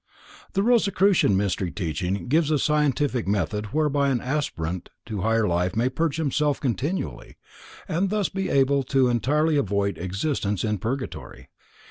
The Rosicrucian Mystery teaching gives a scientific method whereby an aspirant to higher life may purge himself continually, and thus be able to entirely avoid existence in purgatory.